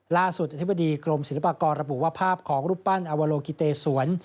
อธิบดีกรมศิลปากรระบุว่าภาพของรูปปั้นอวโลกิเตสวน